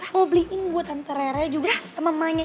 mau beliin buat tante rerek juga sama mamanya